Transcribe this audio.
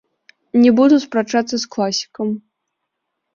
Не буду спрачацца з класікам.